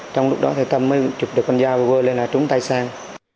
trong lúc đó thì tâm mới chụp được con dao vô lên là trúng tay sang